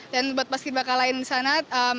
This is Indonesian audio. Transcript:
dan buat paski beraka lain disana